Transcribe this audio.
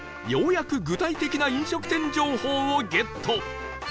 ようやく具体的な飲食店情報をゲット